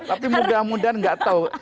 tapi mudah mudahan nggak tahu